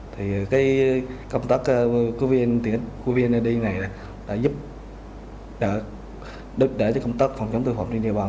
thì cái công tác vneid này đã giúp đỡ cho công tác phòng chống tội phạm trên địa bàn